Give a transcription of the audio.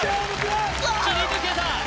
切り抜けた！